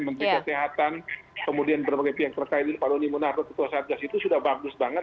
menteri kesehatan kemudian berbagai pihak terkait pak doni monarto ketua satgas itu sudah bagus banget